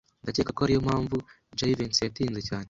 Ndakeka ko ariyo mpamvu Jivency yatinze cyane.